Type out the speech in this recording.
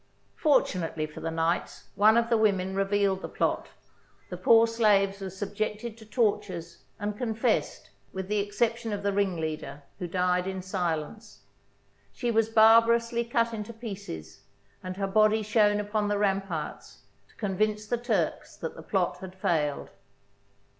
Fortunately for the knights, one of the women revealed the plot; the poor slaves were subjected to tortures and confessed, with the exception of the ringleader, who died in silence. She was barbar ously cut to pieces and her body shown upon the ramparts, to convince the Turks that the plot had failed.